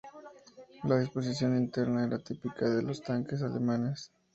La disposición interna era típica de los tanques alemanes.